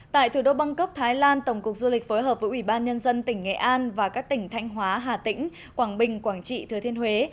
tại thủ đô bangkok thái lan tổng cục du lịch phối hợp với ủy ban nhân dân tỉnh nghệ an và các tỉnh thanh hóa hà tĩnh quảng bình quảng trị thứa thiên huế